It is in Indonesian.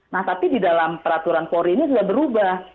nah tapi di dalam peraturan polri ini sudah berubah